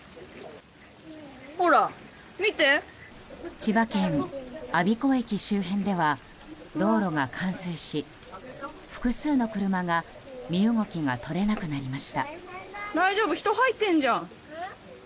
千葉県我孫子駅周辺では道路が冠水し複数の車が身動きが取れなくなりました。